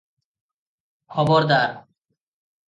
ଖବରଦାର ।